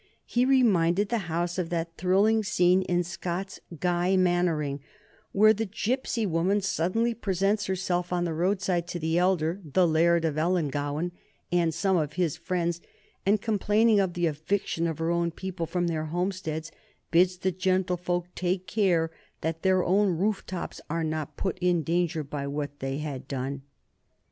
He reminded the House of that thrilling scene in Scott's "Guy Mannering" where the gypsy woman suddenly presents herself on the roadside to the elder, the Laird of Ellangowan and some of his friends, and, complaining of the eviction of her own people from their homesteads, bids the gentlefolk take care that their own roof trees are not put in danger by what they had done.